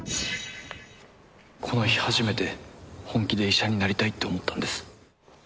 この日初めて本気で医者になりたいと思ったんです。